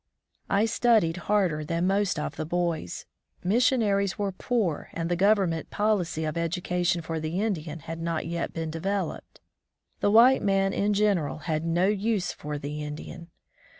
I studied harder than most of the boys. Missionaries were poor, and the Govern ment policy of education for the Indian had not then been developed. The white man in general had no use for the Indian.